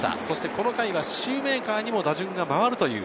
この回、シューメーカーにも打順が回る